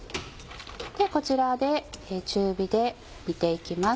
こちらで中火で煮て行きます。